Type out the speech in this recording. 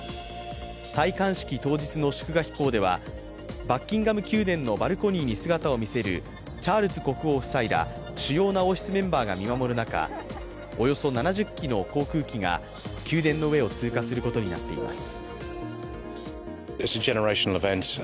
戴冠式当日の祝賀飛行ではバッキンガム宮殿のバルコニーに姿を見せるチャールズ国王夫妻ら主要な王室メンバーが見守る中およそ７０機の航空機が宮殿の上を通過することになっています。